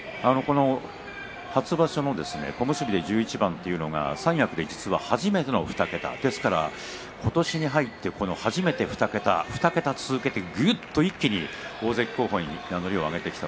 初場所の小結で１１番というのは三役で実は初めての２桁今年に入って初めて２桁２桁続けてぐっと一気に大関候補に名乗りを上げてきた。